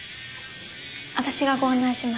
私がご案内します。